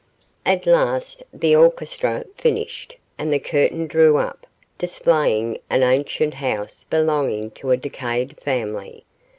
At last the orchestra finished, and the curtain drew up, displaying an ancient house belonging to a decayed family.